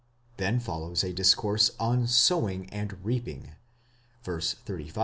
Then follows a discourse on sowing and reaping (v. 35 ff.)